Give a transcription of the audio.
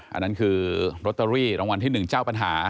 อันนั้นคือลอตเตอรี่รางวัลที่๑เจ้าปัญหา